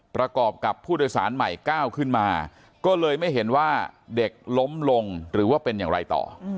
ประกอบกับผู้โดยสารใหม่ก้าวขึ้นมาก็เลยไม่เห็นว่าเด็กล้มลงหรือว่าเป็นอย่างไรต่อ